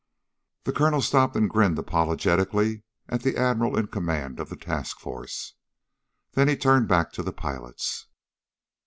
The colonel stopped and grinned apologetically at the Admiral in command of the task force. Then he turned back to the pilots.